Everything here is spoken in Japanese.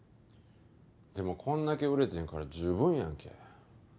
でもこんだけ売れてんから十分やんけ。